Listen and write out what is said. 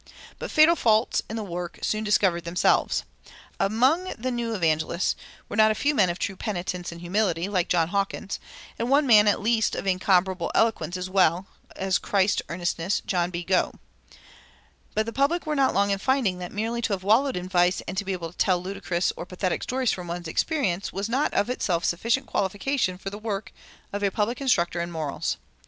But fatal faults in the work soon discovered themselves. Among the new evangelists were not a few men of true penitence and humility, like John Hawkins, and one man at least of incomparable eloquence as well as Christian earnestness, John B. Gough. But the public were not long in finding that merely to have wallowed in vice and to be able to tell ludicrous or pathetic stories from one's experience was not of itself sufficient qualification for the work of a public instructor in morals.